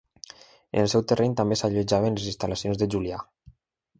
En el seu terreny també s'allotjaven les instal·lacions de Julià.